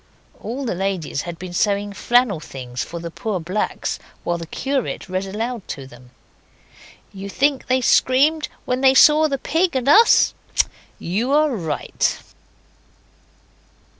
All the ladies had been sewing flannel things for the poor blacks while the curate read aloud to them. You think they screamed when they saw the Pig and Us? You are right.